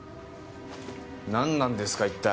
何なんですか一体。